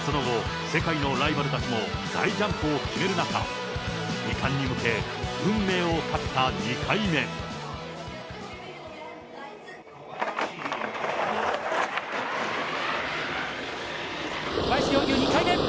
その後、世界のライバルたちも、大ジャンプを決める中、２冠に向小林陵侑、２回目。